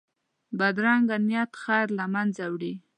بدرنګه نیت خیر له منځه وړي